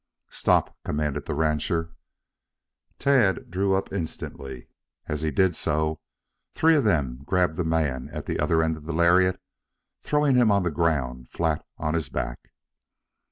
"Stop!" commanded the rancher. Tad drew up instantly. As he did so three of them grabbed the man at the other end of the lariat, throwing him on the ground flat on his back.